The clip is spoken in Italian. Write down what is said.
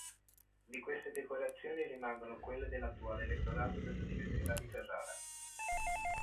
Di queste decorazioni rimangono quelle dell'attuale rettorato dell'Università di Ferrara.